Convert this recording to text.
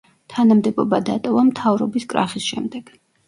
თანამდებობა დატოვა მთავრობის კრახის შემდეგ.